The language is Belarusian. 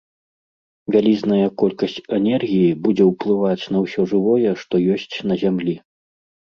Вялізная колькасць энергіі будзе ўплываць на ўсё жывое, што ёсць на зямлі.